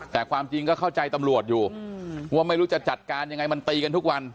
แต่ความจริงก็เข้าใจตำรวจอยู่ว่าไม่รู้จะจัดการยังไงมันตีกันทุกวัน